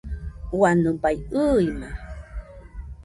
ua nɨbai ɨima!